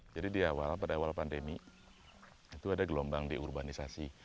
jadi pada awal pandemi itu ada gelombang di urbanisasi